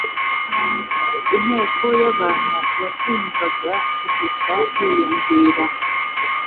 Inteko y'abantu, yagumvaga kugenda yiyongera.